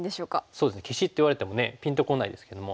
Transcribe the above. そうですね消しって言われてもねぴんとこないですけども。